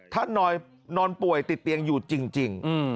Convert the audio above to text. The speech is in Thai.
ท่านนอยนอนป่วยติดเตียงหยุดจริง